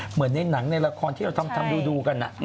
เหมือนในหนังในละครที่เราทำดูกัน